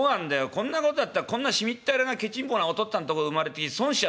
こんなことだったらこんなしみったれなけちんぼなお父っつぁんとこ生まれて損しちゃった。